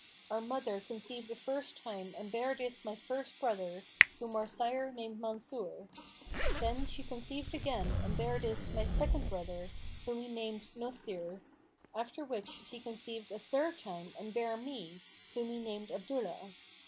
Our mother conceived a first time and bare this my first brother, whom our sire named Mansъr; then she conceived again and bare this my second brother, whom he named Nбsir[FN#487]; after which she conceived a third time and bare me, whom he named Abdullah.